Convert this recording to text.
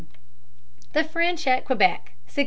The French at Quebec 1608.